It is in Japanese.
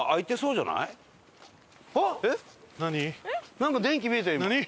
なんか電気見えた今。